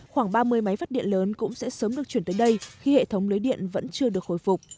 khoảng ba mươi máy phát điện lớn cũng sẽ sớm được chuyển tới đây khi hệ thống lưới điện vẫn chưa được hồi phục